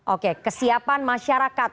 oke kesiapan masyarakat